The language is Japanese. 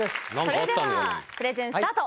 それではプレゼンスタート！